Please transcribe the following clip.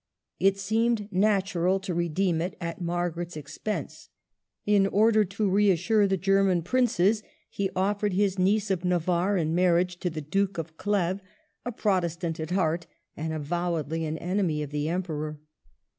It seemed natural to redeem it at Margaret's expense. In order to reassure the German princes, he offered his niece of Navarre in marriage to the Duke of Cleves, a Protestant at heart, and avowedly an enemy of the Emperor.